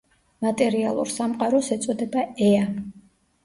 მატერიალურ სამყაროს ეწოდება „ეა“.